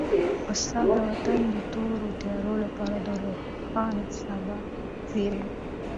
استاد د وطن د تورو تیارو لپاره د روښانه سبا زېری دی.